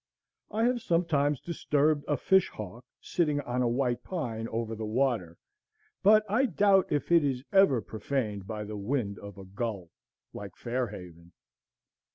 I have sometimes disturbed a fishhawk sitting on a white pine over the water; but I doubt if it is ever profaned by the wing of a gull, like Fair Haven.